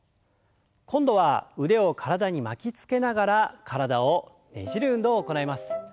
今度は腕を体に巻きつけながら体をねじる運動を行います。